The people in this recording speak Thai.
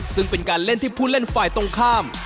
ซึ่งเป็นการเล่นที่ผู้เล่นฝ่ายตรงข้าม